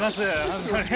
本当に。